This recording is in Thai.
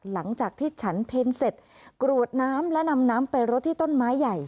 หลังจากที่ฉันเพ็ญเสร็จกรวดน้ำและนำน้ำไปรดที่ต้นไม้ใหญ่